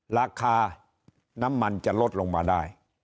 ราคาน้ำมันจะลดลงมาได้